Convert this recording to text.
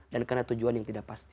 dan karena tujuan yang tidak pasti